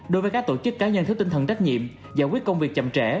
đối với các tổ chức cá nhân thiếu tinh thần trách nhiệm giải quyết công việc chậm trễ